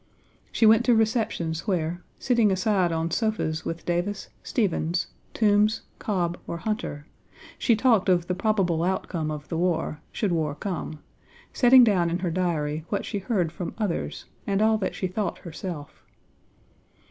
She went to receptions where, sitting aside on sofas with Davis, Stephens, Toombs, Cobb, or Hunter, she talked of the probable outcome of the war, should war come, setting down in her Diary what she heard from others and all that she thought herself.